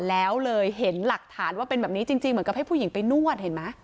แล้วเลยเห็นหลักฐานว่าเป็นแบบนี้จริงเหมือนกับให้ผู้หญิงไปนวดเห็นไหม